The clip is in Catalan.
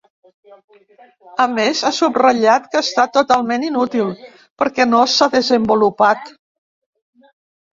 A més, ha subratllat que ha estat “totalment inútil” perquè no s’ha desenvolupat.